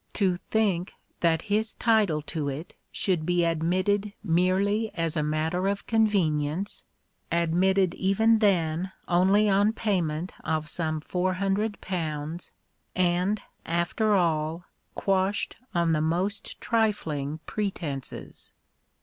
To think that his title to it should be admitted merely as a matter of ^convenience — admitted even then only on payment of some £400 — and, after all, quashed on the most trifling pretences